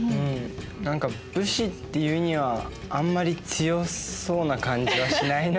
何か武士っていうにはあんまり強そうな感じはしないな。